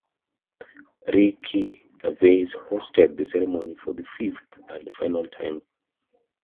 Ricky Gervais hosted the ceremony for the fifth and "final" time.